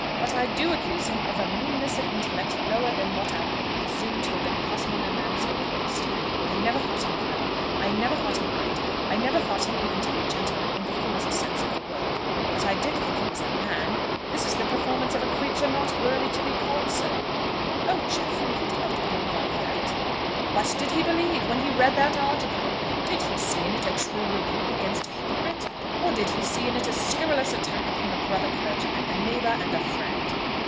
But I do accuse him of a meanness of intellect lower than what I could have presumed to have been possible in a man so placed. I never thought him clever; I never thought him great; I never thought him even to be a gentleman, in the fullest sense of the word; but I did think he was a man. This is the performance of a creature not worthy to be called so." "Oh, Jeffrey, he did not believe all that." "What did he believe? When he read that article, did he see in it a true rebuke against a hypocrite, or did he see in it a scurrilous attack upon a brother clergyman, a neighbour, and a friend?